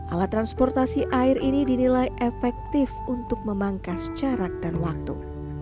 alat transportasi air ini dinilai efektif untuk memangkas jarak dan waktu